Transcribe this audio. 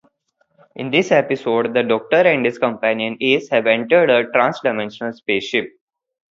In this episode, the Doctor and his companion Ace have entered a trans-dimensional spaceship.